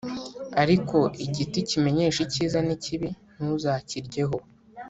Ariko igiti kimenyesha icyiza n ikibi ntuzakiryeho